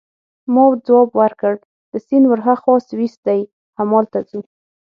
ما ځواب ورکړ: له سیند ورهاخوا سویس دی، همالته ځو.